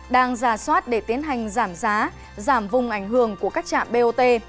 đang giả soát để tiến hành giảm giá giảm vùng ảnh hưởng của các trạm bot